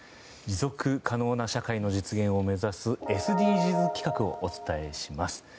持続可能な社会の実現を目指すＳＤＧｓ企画をお伝えします。